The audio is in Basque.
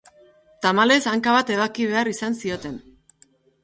Tamalez, hanka bat ebaki behar izan zioten.